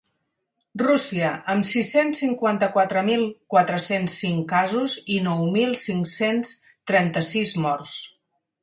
Rússia, amb sis-cents cinquanta-quatre mil quatre-cents cinc casos i nou mil cinc-cents trenta-sis morts.